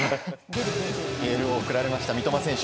エールを送られました三笘選手。